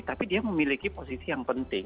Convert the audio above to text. tapi dia memiliki posisi yang penting